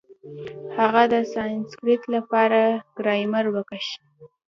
هغه د سانسکرېټ له پاره ګرامر وکېښ.